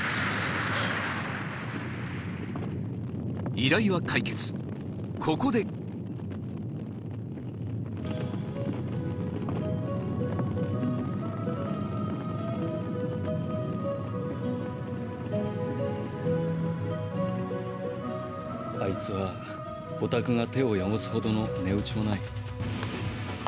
依頼は解決、ここであいつは、お宅が手を汚すほどの値打ちもない。